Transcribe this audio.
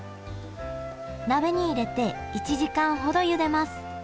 鍋に入れて１時間ほどゆでます。